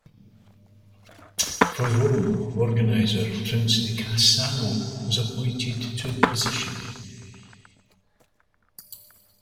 For Rome organizer, Prince Di Cassano was appointed to the position.